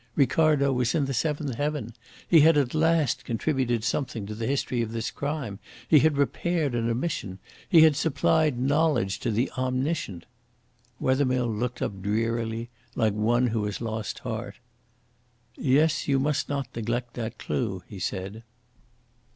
Ricardo was in the seventh Heaven. He had at last contributed something to the history of this crime. He had repaired an omission. He had supplied knowledge to the omniscient. Wethermill looked up drearily like one who has lost heart. "Yes, you must not neglect that clue," he said.